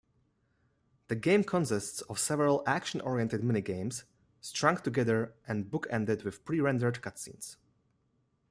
The game consists of several action-oriented minigames strung together and book-ended with pre-rendered cutscenes.